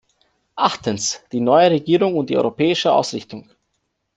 Achtens, die neue Regierung und die europäische Ausrichtung.